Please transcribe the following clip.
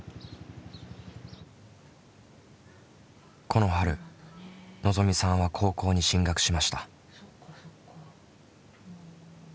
この春のぞみさんは高校に進学しました。